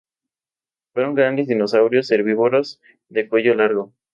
Fueron grandes dinosaurios herbívoros de cuello largo.